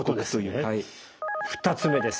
２つ目です。